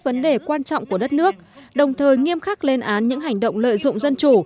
vấn đề quan trọng của đất nước đồng thời nghiêm khắc lên án những hành động lợi dụng dân chủ